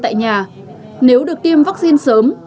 tại nhà nếu được tiêm vaccine sớm